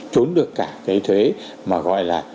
trốn được cả cái thuế mà gọi là